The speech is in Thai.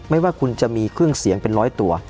ไม่ว่าคุณจะมีเครื่องเสียงเป็นร้อยตัว